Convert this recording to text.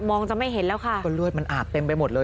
จะไม่เห็นแล้วค่ะก็เลือดมันอาบเต็มไปหมดเลย